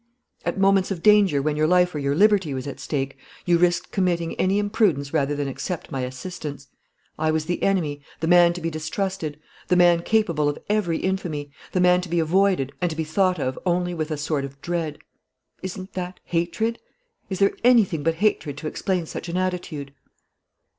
"At moments of danger, when your life or your liberty was at stake, you risked committing any imprudence rather than accept my assistance. I was the enemy, the man to be distrusted, the man capable of every infamy, the man to be avoided, and to be thought of only with a sort of dread. Isn't that hatred? Is there anything but hatred to explain such an attitude?"